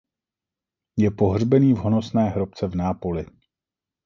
Je pohřbený v honosné hrobce v Neapoli.